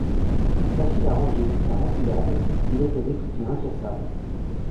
Facile à ranger, car empilable, il était réputé incassable.